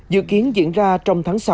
dự kiến diễn ra trong tháng sáu